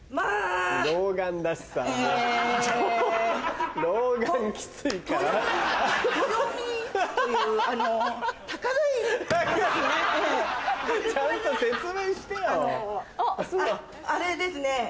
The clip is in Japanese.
あれですね